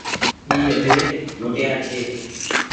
اي اٻي موٽيار ڇي۔